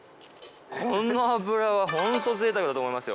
この脂はホントぜいたくだと思いますよ。